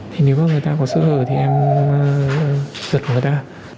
thì nếu có người ta có sơ hở thì em giật người ta